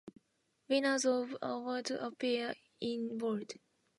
Winners of the Award appear in bold.